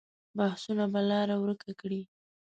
بحثونه به لاره ورکه کړي.